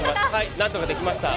なんとかできました。